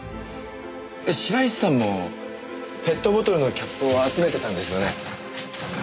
えっ白石さんもペットボトルのキャップを集めてたんですよね？